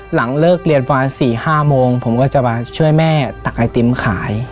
หลังเลิกเรียนประมาณ๔๕โมงผมก็จะมาช่วยแม่ตักไอติมขาย